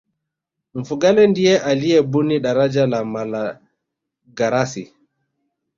mfugale ndiye aliyebuni daraja la malagarasi